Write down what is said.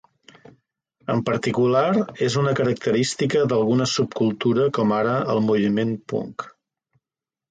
En particular és una característica d'alguna subcultura com ara el moviment Punk.